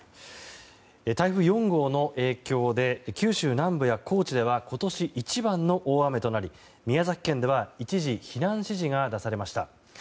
台風４号の影響で九州南部や高知では今年一番の大雨となり宮崎県では一時、避難指示が出されました。